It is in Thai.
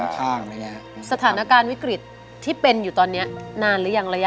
แลซึ่งแต่ก็ทำให้ดินมันพังตลอด